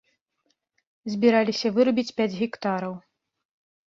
Збіраліся вырубіць пяць гектараў.